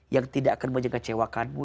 yang tidak akan menjaga kecewakanmu